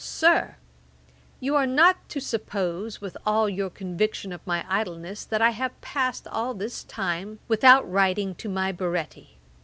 ] 'You are not to suppose, with all your conviction of my idleness, that I have passed all this time without writing to my Baretti.